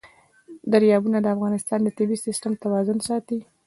دریابونه د افغانستان د طبعي سیسټم توازن ساتي.